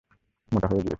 মোটা হয়ে গিয়েছি।